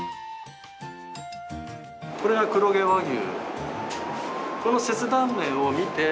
これが黒毛和牛。